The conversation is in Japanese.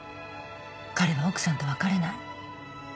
彼は奥さんと別れない。